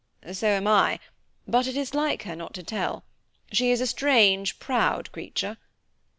"So am I, but it is like her not to tell. She is a strange, proud creature.